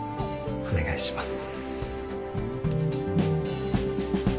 お願いします。